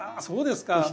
そうですか。